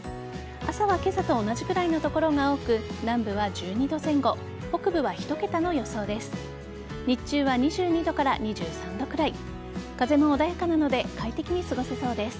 朝は今朝と同じくらいの所が多く南部は１２度前後北部は１桁の予想です。